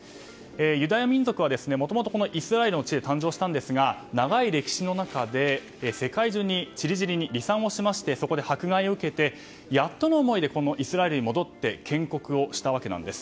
ユダヤ民族はもともとこのイスラエルの地で誕生したんですが長い歴史の中で、世界中に散り散りに離散しましてそこで迫害を受けてやっとの思いでこのイスラエルに戻って建国をしたわけです。